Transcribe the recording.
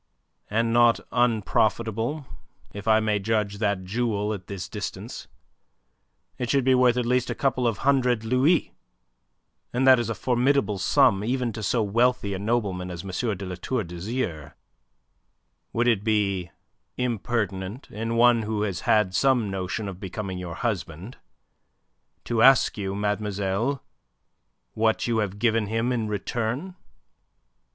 "And not unprofitable, if I may judge that jewel at this distance. It should be worth at least a couple of hundred louis, and that is a formidable sum even to so wealthy a nobleman as M. de La Tour d'Azyr. Would it be impertinent in one who has had some notion of becoming your husband, to ask you, mademoiselle, what you have given him in return?"